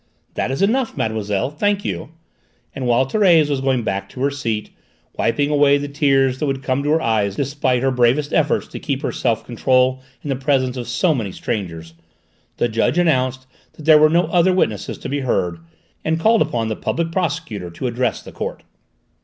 "That is enough, mademoiselle. Thank you," and while Thérèse was going back to her seat, wiping away the tears that would come to her eyes despite her bravest efforts to keep her self control in the presence of so many strangers, the judge announced that there were no other witnesses to be heard, and called upon the Public Prosecutor to address the court.